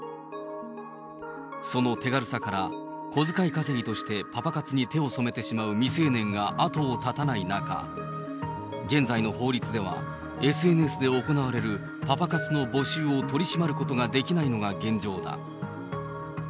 その手軽さから、小遣い稼ぎとして、パパ活に手を染めてしまう未成年が後を絶たない中、現在の法律では、ＳＮＳで行われるパパ活の募集を取り締まることができないのが現状だ。